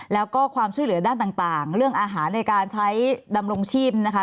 แล้วก็ความช่วยเหลือด้านต่างเรื่องอาหารในการใช้ดำรงชีพนะคะ